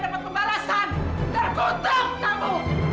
dan kutuk kamu